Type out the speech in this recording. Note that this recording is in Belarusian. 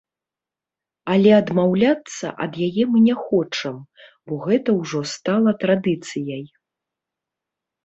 Але адмаўляцца ад яе мы не хочам, бо гэта ўжо стала традыцыяй.